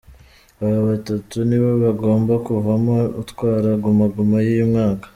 Abo batatu nibo bagomba kuvamo utwara Guma Guma y’uyu mwaka.